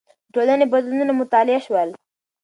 د ټولنې بدلونونه مطالعه شول.